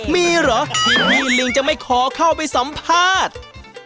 มีเหรอที่พี่ลิวจะไม่ขอเข้าไปสัมภาษณ์